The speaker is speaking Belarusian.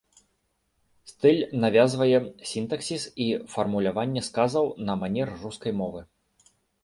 Стыль навязвае сінтаксіс і фармуляванне сказаў на манер рускай мовы.